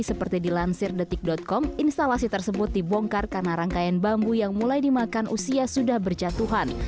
seperti dilansir detik com instalasi tersebut dibongkar karena rangkaian bambu yang mulai dimakan usia sudah berjatuhan